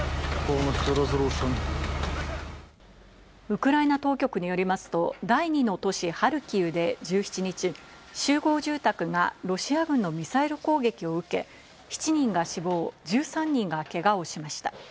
ウクライナ当局によりますと、第２の都市ハルキウで１７日、集合住宅がロシア軍のミサイル攻撃を受け、７人が死亡、１３人がけがをしました。